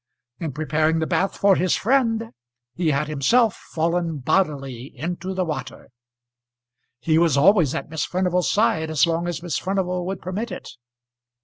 In preparing the bath for his friend he had himself fallen bodily into the water. He was always at Miss Furnival's side as long as Miss Furnival would permit it.